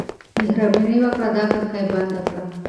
مهرباني وکړه دا کړکۍ بنده کړه.